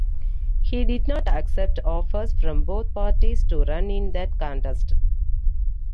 He did not accept offers from both parties to run in that contest.